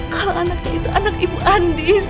kalau anaknya itu anak ibu andis